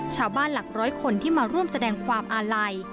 หลักร้อยคนที่มาร่วมแสดงความอาลัย